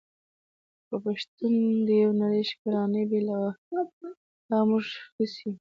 په شتون د يوه نړی شکرانې بې له تا موږ هيڅ يو ❤️